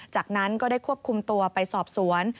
จากนั้นก็ได้ควบคุมตัวไปสอบสวน